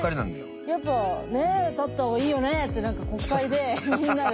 女性やっぱね立った方がいいよねって国会でみんなで。